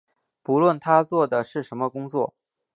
不论他做的是什么工作